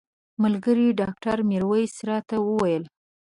ملګري ډاکټر میرویس راته وویل.